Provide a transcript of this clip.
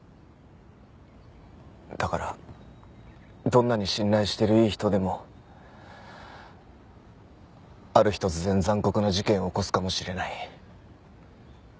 だからどんなに信頼してるいい人でもある日突然残酷な事件を起こすかもしれない。